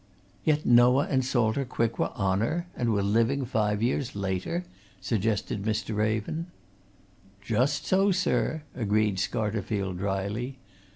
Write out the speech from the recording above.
"Yet Noah and Salter Quick were on her and were living five years later?" suggested Mr. Raven. "Just so, sir!" agreed Scarterfield, dryly.